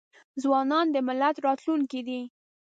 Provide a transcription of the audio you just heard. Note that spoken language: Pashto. ځوانان د ملت راتلونکې دي.